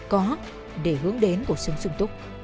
có để hướng đến của sướng sung túc